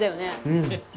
うん。